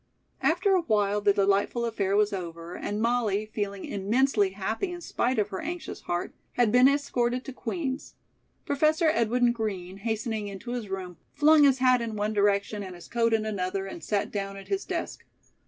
'" After a while the delightful affair was over, and Molly, feeling immensely happy in spite of her anxious heart, had been escorted to Queen's. Professor Edwin Green, hastening into his room, flung his hat in one direction and his coat in another, and sat down at his desk.